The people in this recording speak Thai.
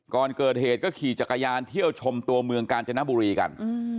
ก่อนเกิดเหตุก็ขี่จักรยานเที่ยวชมตัวเมืองกาญจนบุรีกัน